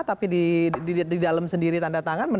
tapi di dalam sendiri tanda tangan